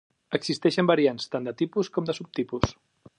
Existeixen varietats tant dels tipus com dels subtipus.